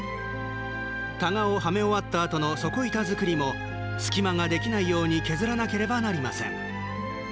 たがをはめ終わったあとの底板づくりも隙間ができないように削らなければなりません。